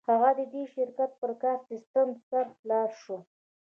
هغه د دې شرکت پر کاري سیسټم سر خلاص شو